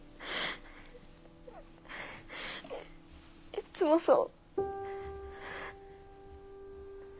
いっつもそう。